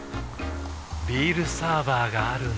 ビールサーバーがある夏。